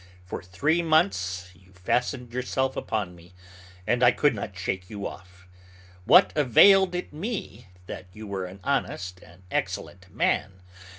For three months, you fastened yourself upon me, and I could not shake you off. What availed it me, that you were an honest and excellent man?